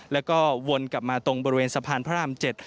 แล้วก็วนกลับมาตรงบริเวณสะพานพระราม๗